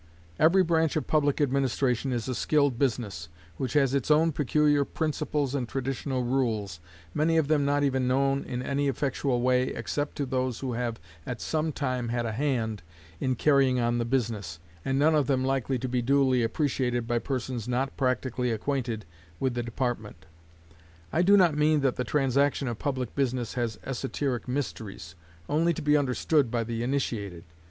Every branch of public administration is a skilled business, which has its own peculiar principles and traditional rules, many of them not even known in any effectual way, except to those who have at some time had a hand in carrying on the business, and none of them likely to be duly appreciated by persons not practically acquainted with the department. I do not mean that the transaction of public business has esoteric mysteries, only to be understood by the initiated.